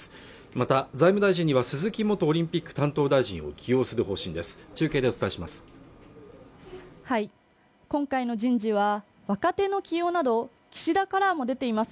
また財務大臣には鈴木元オリンピック担当大臣を起用する方針です中継でお伝えします